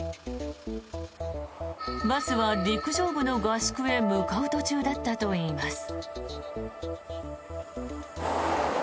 バスは陸上部の合宿へ向かう途中だったといいます。